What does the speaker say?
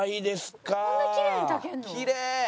「こんなきれいに炊けるの？」